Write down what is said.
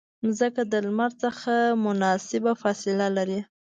مځکه د لمر څخه مناسبه فاصله لري.